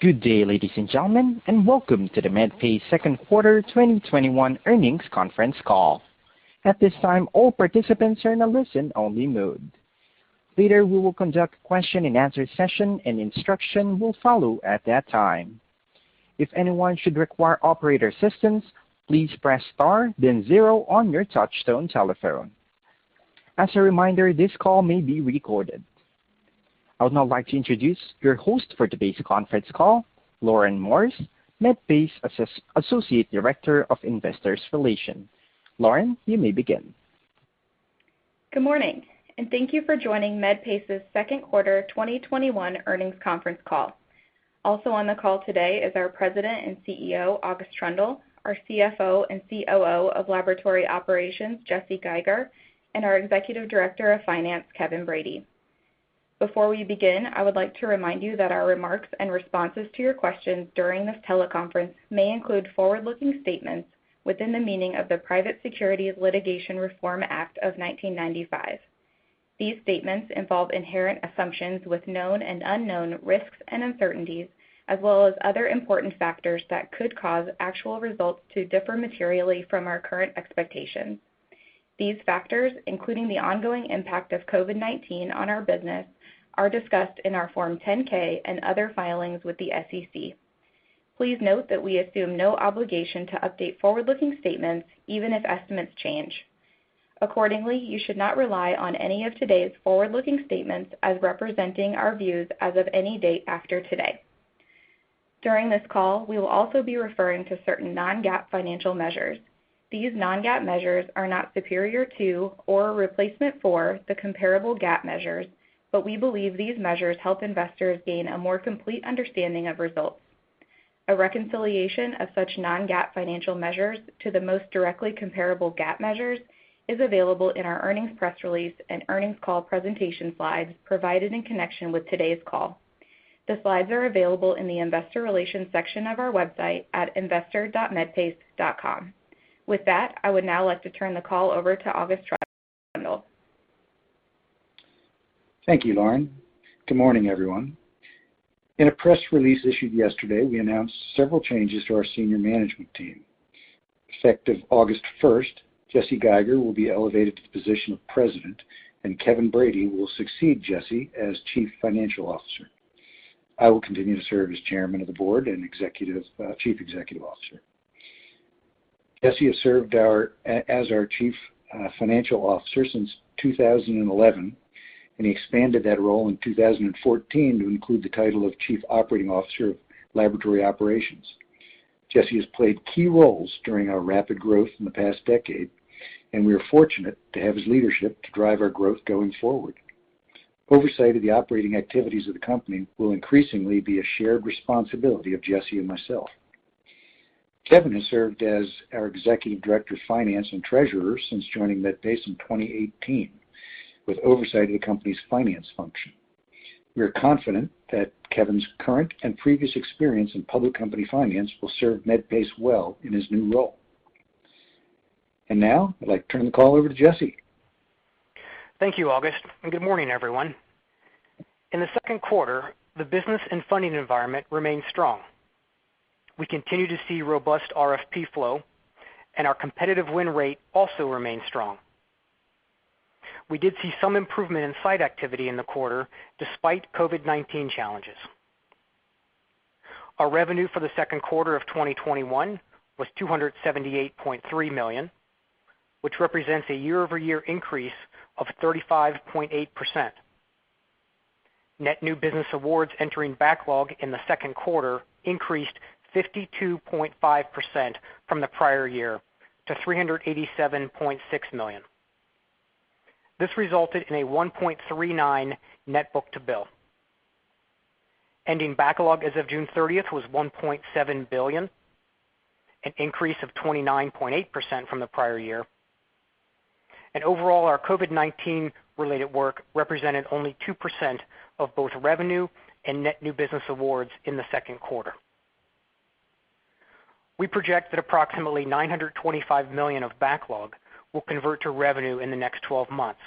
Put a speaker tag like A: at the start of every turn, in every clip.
A: Good day, ladies and gentlemen, and welcome to the Medpace Second Quarter 2021 Earnings Conference Call. At this time, all participants are in a listen-only mode. Later, we will conduct a question and answer session, and instructions will follow at that time. If anyone should require operator assistance, please press star then zero on your touchtone telephone. As a reminder, this call may be recorded. I would now like to introduce your host for today's conference call, Lauren Morris, Medpace Associate Director of Investor Relations. Lauren, you may begin.
B: Good morning, and thank you for joining Medpace's second quarter 2021 earnings conference call. Also on the call today is our President and CEO, August Troendle, our CFO and COO of Laboratory Operations, Jesse Geiger, and our Executive Director of Finance, Kevin Brady. Before we begin, I would like to remind you that our remarks and responses to your questions during this teleconference may include forward-looking statements within the meaning of the Private Securities Litigation Reform Act of 1995. These statements involve inherent assumptions with known and unknown risks and uncertainties, as well as other important factors that could cause actual results to differ materially from our current expectations. These factors, including the ongoing impact of COVID-19 on our business, are discussed in our Form 10-K and other filings with the SEC. Please note that we assume no obligation to update forward-looking statements, even if estimates change. Accordingly, you should not rely on any of today's forward-looking statements as representing our views as of any date after today. During this call, we will also be referring to certain non-GAAP financial measures. These non-GAAP measures are not superior to or a replacement for the comparable GAAP measures, but we believe these measures help investors gain a more complete understanding of results. A reconciliation of such non-GAAP financial measures to the most directly comparable GAAP measures is available in our earnings press release and earnings call presentation slides provided in connection with today's call. The slides are available in the investor relations section of our website at investor.medpace.com. With that, I would now like to turn the call over to August Troendle.
C: Thank you, Lauren. Good morning, everyone. In a press release issued yesterday, we announced several changes to our senior management team. Effective August 1st, Jesse Geiger will be elevated to the position of President, and Kevin Brady will succeed Jesse as Chief Financial Officer. I will continue to serve as Chairman of the Board and Chief Executive Officer. Jesse has served as our Chief Financial Officer since 2011, and he expanded that role in 2014 to include the title of Chief Operating Officer of Laboratory Operations. Jesse has played key roles during our rapid growth in the past decade, and we are fortunate to have his leadership to drive our growth going forward. Oversight of the operating activities of the company will increasingly be a shared responsibility of Jesse and myself. Kevin has served as our Executive Director of Finance and Treasurer since joining Medpace in 2018 with oversight of the company's finance function. We are confident that Kevin's current and previous experience in public company finance will serve Medpace well in his new role. Now, I'd like to turn the call over to Jesse.
D: Thank you, August, and good morning, everyone. In the second quarter, the business and funding environment remained strong. We continue to see robust RFP flow, and our competitive win rate also remained strong. We did see some improvement in site activity in the quarter despite COVID-19 challenges. Our revenue for the second quarter of 2021 was $278.3 million, which represents a year-over-year increase of 35.8%. Net new business awards entering backlog in the second quarter increased 52.5% from the prior year to $387.6 million. This resulted in a 1.39 net book-to-bill. Ending backlog as of June 30th was $1.7 billion, an increase of 29.8% from the prior year. Overall, our COVID-19 related work represented only 2% of both revenue and net new business awards in the second quarter. We project that approximately $925 million of backlog will convert to revenue in the next 12 months,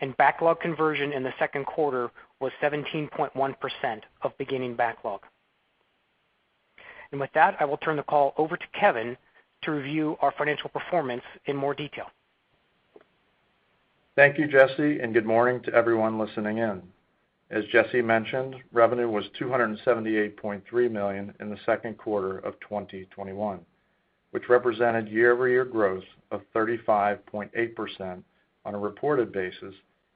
D: and backlog conversion in the second quarter was 17.1% of beginning backlog. With that, I will turn the call over to Kevin to review our financial performance in more detail.
E: Thank you, Jesse, and good morning to everyone listening in. As Jesse mentioned, revenue was $278.3 million in the second quarter of 2021, which represented year-over-year growth of 35.8% on a reported basis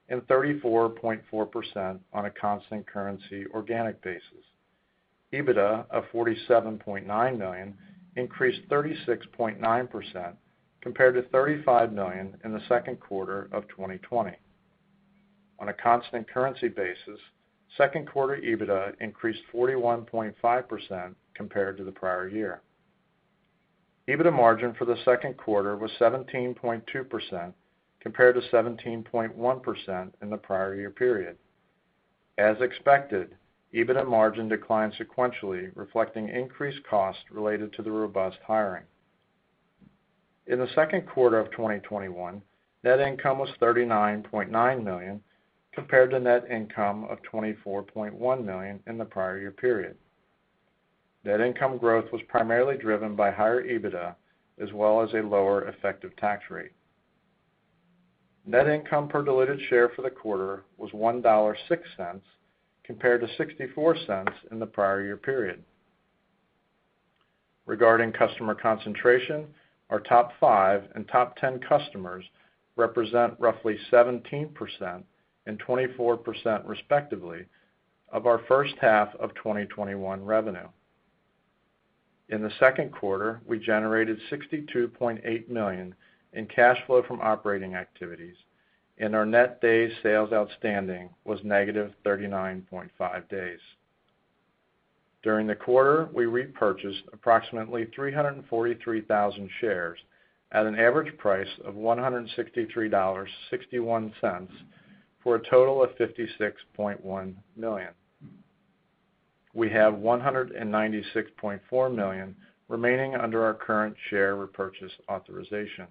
E: and 34.4% on a constant currency organic basis. EBITDA of $47.9 million increased 36.9% compared to $35 million in the second quarter of 2020. On a constant currency basis, second quarter EBITDA increased 41.5% compared to the prior year. EBITDA margin for the second quarter was 17.2% compared to 17.1% in the prior year period. As expected, EBITDA margin declined sequentially, reflecting increased cost related to the robust hiring. In the second quarter of 2021, net income was $39.9 million compared to net income of $24.1 million in the prior year period. Net income growth was primarily driven by higher EBITDA, as well as a lower effective tax rate. Net income per diluted share for the quarter was $1.06, compared to $0.64 in the prior year period. Regarding customer concentration, our top five and top 10 customers represent roughly 17% and 24%, respectively, of our first half of 2021 revenue. In the second quarter, we generated $62.8 million in cash flow from operating activities, and our net days sales outstanding was negative 39.5 days. During the quarter, we repurchased approximately 343,000 shares at an average price of $163.61, for a total of $56.1 million. We have $196.4 million remaining under our current share repurchase authorization.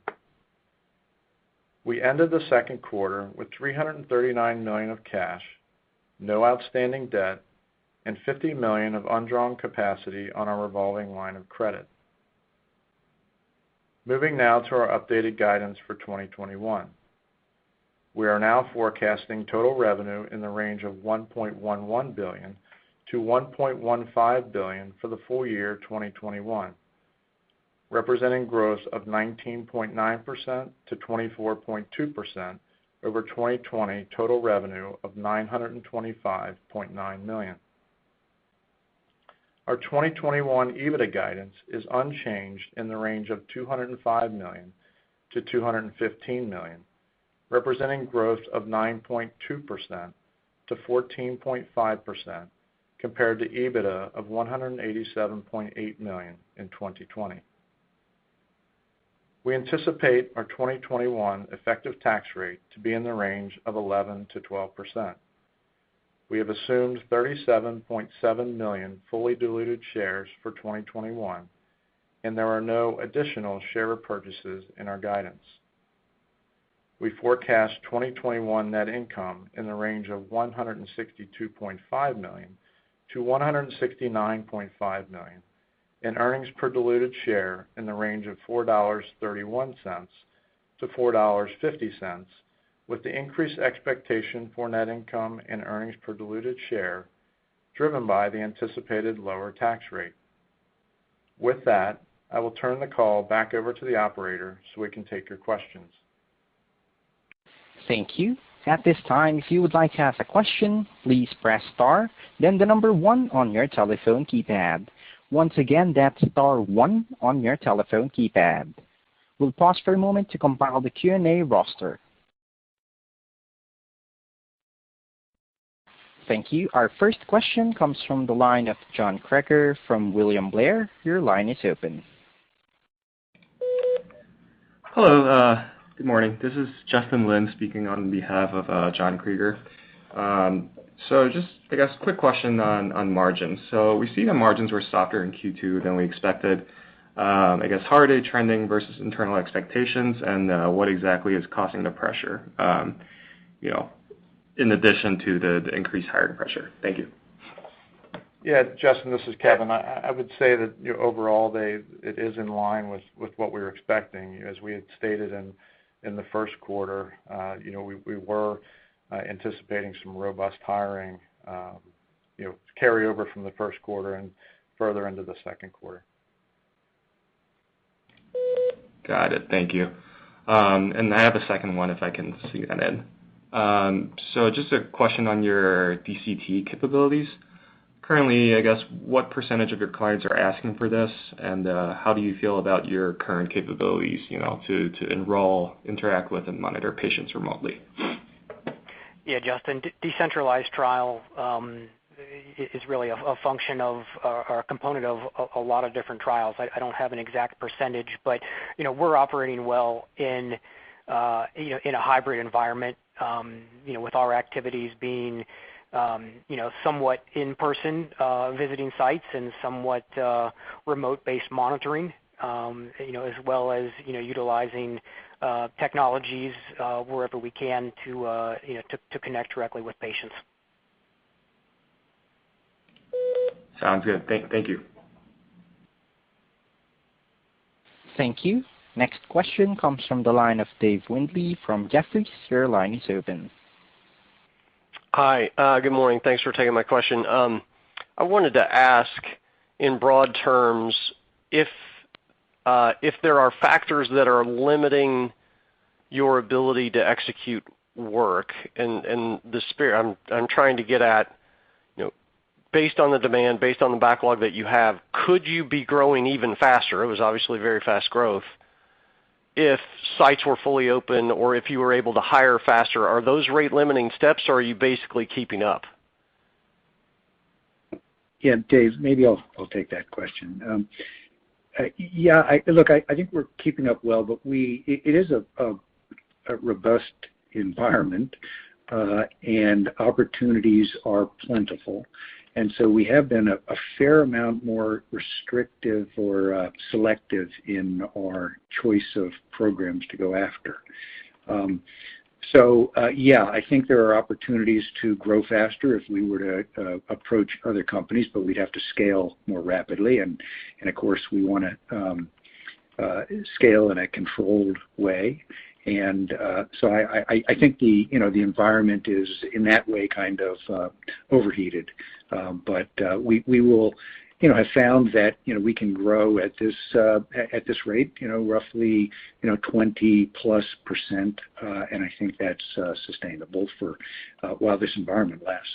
E: We ended the second quarter with $339 million of cash, no outstanding debt, and $50 million of undrawn capacity on our revolving line of credit. Moving now to our updated guidance for 2021. We are now forecasting total revenue in the range of $1.11 billion-$1.15 billion for the full year 2021, representing growth of 19.9%-24.2% over 2020 total revenue of $925.9 million. Our 2021 EBITDA guidance is unchanged in the range of $205 million-$215 million, representing growth of 9.2%-14.5% compared to EBITDA of $187.8 million in 2020. We anticipate our 2021 effective tax rate to be in the range of 11%-12%. We have assumed 37.7 million fully diluted shares for 2021, and there are no additional share repurchases in our guidance. We forecast 2021 net income in the range of $162.5 million-$169.5 million, and earnings per diluted share in the range of $4.31-$4.50, with the increased expectation for net income and earnings per diluted share driven by the anticipated lower tax rate. With that, I will turn the call back over to the operator so we can take your questions.
A: Thank you. At this time, if you would like to ask a question, please press star then the number one on your telephone keypad. Once again, that's star one on your telephone keypad. We'll pause for a moment to compile the Q&A roster. Thank you. Our first question comes from the line of John Kreger from William Blair. Your line is open.
F: Hello. Good morning. This is Justin Lin speaking on behalf of John Kreger. Just, I guess, quick question on margins. We see the margins were softer in Q2 than we expected. I guess, how are they trending versus internal expectations, and what exactly is causing the pressure? In addition to the increased hiring pressure. Thank you.
E: Yeah, Justin, this is Kevin. I would say that overall, it is in line with what we're expecting. As we had stated in the first quarter, we were anticipating some robust hiring to carry over from the first quarter and further into the second quarter.
F: Got it. Thank you. I have a second one, if I can squeeze that in. Just a question on your DCT capabilities. Currently, I guess, what % of your clients are asking for this, and how do you feel about your current capabilities to enroll, interact with, and monitor patients remotely?
D: Justin, decentralized trial is really a function of, or a component of a lot of different trials. I don't have an exact percentage, but we're operating well in a hybrid environment, with our activities being somewhat in-person visiting sites and somewhat remote-based monitoring as well as utilizing technologies wherever we can to connect directly with patients.
F: Sounds good. Thank you.
A: Thank you. Next question comes from the line of Dave Windley from Jefferies. Your line is open.
G: Hi. Good morning. Thanks for taking my question. I wanted to ask, in broad terms, if there are factors that are limiting your ability to execute work. I'm trying to get at, based on the demand, based on the backlog that you have, could you be growing even faster, it was obviously very fast growth, if sites were fully open or if you were able to hire faster? Are those rate-limiting steps, or are you basically keeping up?
C: Dave, maybe I'll take that question. Look, I think we're keeping up well, but it is a robust environment, and opportunities are plentiful. We have been a fair amount more restrictive or selective in our choice of programs to go after. I think there are opportunities to grow faster if we were to approach other companies, but we'd have to scale more rapidly. Of course, we want to scale in a controlled way. I think the environment is, in that way, kind of overheated. We have found that we can grow at this rate roughly 20+%, and I think that's sustainable for while this environment lasts.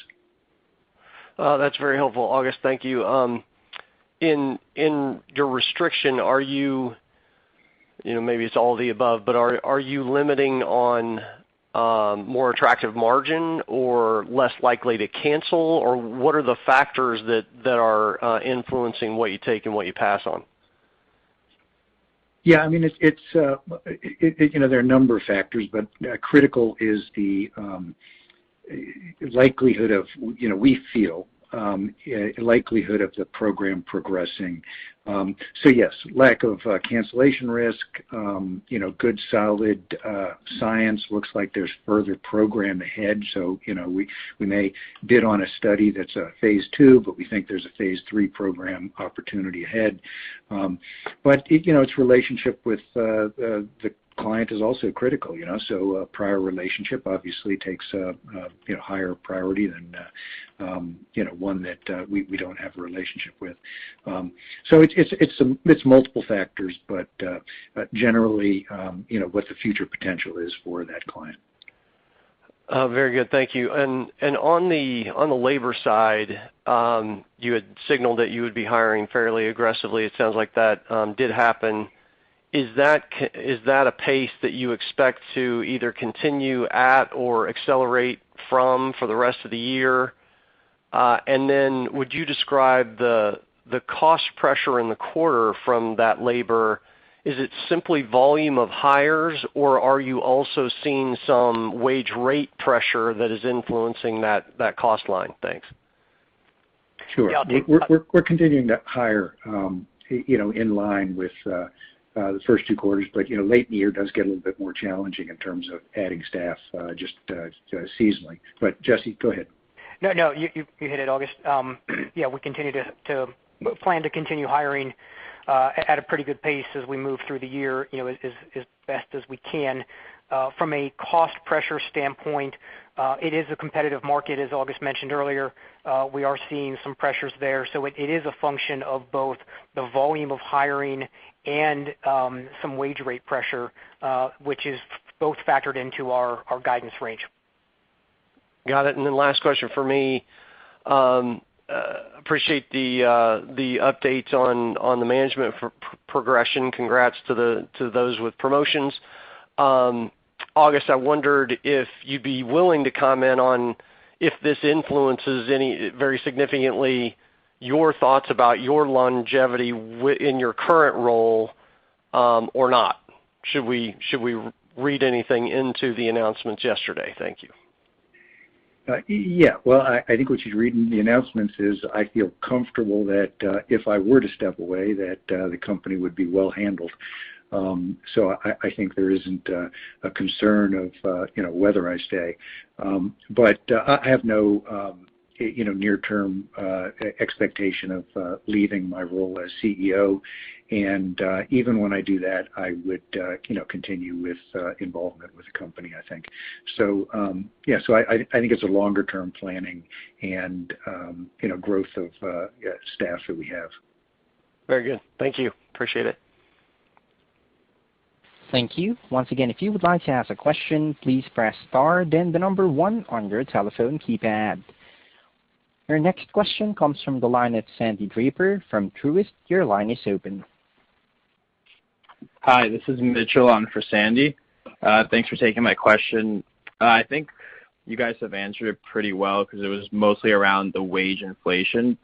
G: That's very helpful, August. Thank you. In your restriction, maybe it's all of the above, but are you limiting on more attractive margin or less likely to cancel? What are the factors that are influencing what you take and what you pass on?
C: Yeah. There are a number of factors. Critical is the likelihood of, we feel, the program progressing. Yes, lack of cancellation risk, good solid science, looks like there's further program ahead. We may bid on a study that's a phase II, but we think there's a phase III program opportunity ahead. Its relationship with the client is also critical. A prior relationship obviously takes a higher priority than one that we don't have a relationship with. It's multiple factors, but generally, what the future potential is for that client.
G: Very good, thank you. On the labor side, you had signaled that you would be hiring fairly aggressively. It sounds like that did happen. Is that a pace that you expect to either continue at or accelerate from for the rest of the year? Would you describe the cost pressure in the quarter from that labor, is it simply volume of hires or are you also seeing some wage rate pressure that is influencing that cost line? Thanks.
C: Sure. We're continuing to hire in line with the first two quarters. Late in the year, it does get a little bit more challenging in terms of adding staff, just seasonally. Jesse, go ahead.
D: No, no, you hit it, August. Yeah, we plan to continue hiring at a pretty good pace as we move through the year, as best as we can. From a cost pressure standpoint, it is a competitive market, as August mentioned earlier. We are seeing some pressures there. It is a function of both the volume of hiring and some wage rate pressure, which is both factored into our guidance range.
G: Got it. Last question from me. Appreciate the updates on the management progression. Congrats to those with promotions. August, I wondered if you'd be willing to comment on if this influences very significantly your thoughts about your longevity in your current role or not. Should we read anything into the announcements yesterday? Thank you.
C: Yeah. Well, I think what you should read in the announcements is I feel comfortable that if I were to step away, that the company would be well handled. I think there isn't a concern of whether I stay. I have no near-term expectation of leaving my role as CEO. Even when I do that, I would continue with involvement with the company, I think. Yeah. I think it's a longer-term planning and growth of staff that we have.
G: Very good. Thank you. Appreciate it.
A: Your next question comes from the line of Sandy Draper from Truist. Your line is open.
H: Hi, this is Mitchell. I'm for Sandy. Thanks for taking my question. I think you guys have answered it pretty well because it was mostly around the wage inflation,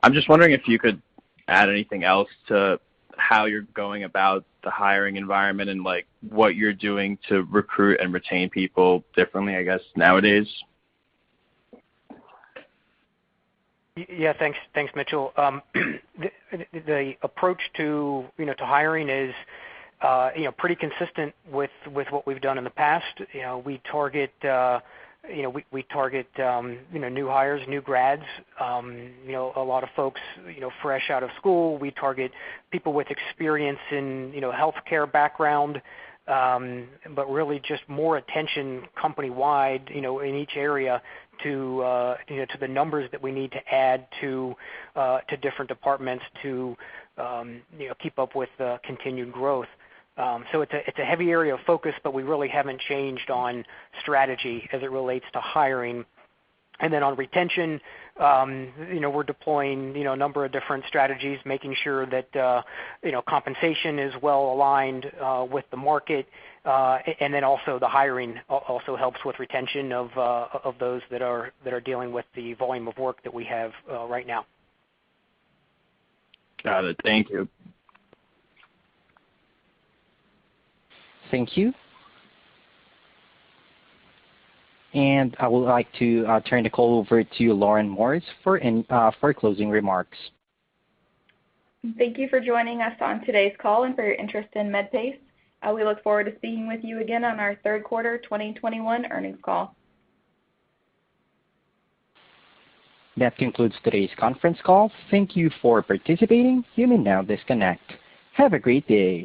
H: I'm just wondering if you could add anything else to how you're going about the hiring environment and what you're doing to recruit and retain people differently, I guess, nowadays.
D: Yeah, thanks, Mitchell. The approach to hiring is pretty consistent with what we've done in the past. We target new hires, new grads, a lot of folks fresh out of school. We target people with experience in healthcare background. Really, just more attention company-wide in each area to the numbers that we need to add to different departments to keep up with the continued growth. It's a heavy area of focus, but we really haven't changed on strategy as it relates to hiring. On retention, we're deploying a number of different strategies, making sure that compensation is well aligned with the market. Also the hiring also helps with retention of those that are dealing with the volume of work that we have right now.
H: Got it. Thank you.
A: Thank you. I would like to turn the call over to Lauren Morris for closing remarks.
B: Thank you for joining us on today's call and for your interest in Medpace. We look forward to being with you again on our third quarter 2021 earnings call.
A: That concludes today's conference call. Thank you for participating. You may now disconnect. Have a great day.